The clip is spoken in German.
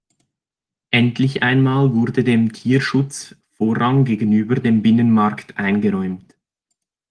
Endlich einmal wurde dem Tierschutz Vorrang gegenüber dem Binnenmarkt eingeräumt.